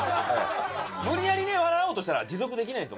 無理やりね笑おうとしたら持続できないです